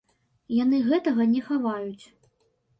Яны гэтага не хаваюць.